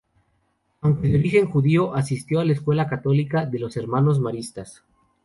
Aunque de origen judío, asistió a la escuela católica de los Hermanos Maristas.